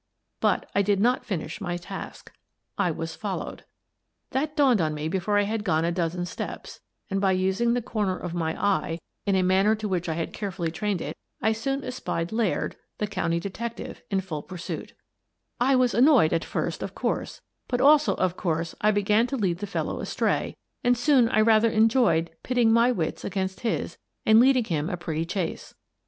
But I did not finish my task. I was followed. That dawned on me before I had gone a dozen steps, and, by using the corner of my eye in a 192 Miss Frances Baird, Detective manner to which I had carefully trained it, I soon espied Laird, the county detective, in full pursuit I was annoyed at first, of course, but also of course I began to lead the fellow astray, and soon I rather enjoyed pitting my wits against his and leading him a pretty chase.